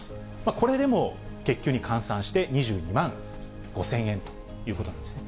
これでも月給に換算して、２２万５０００円ということなんですね。